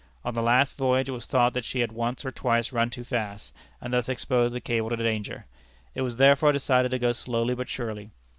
On the last voyage it was thought that she had once or twice run too fast, and thus exposed the cable to danger. It was, therefore, decided to go slowly but surely.